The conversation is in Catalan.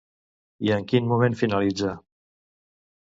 I en quin moment finalitza?